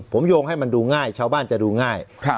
ผมโยงให้มันดูง่ายชาวบ้านจะดูง่าย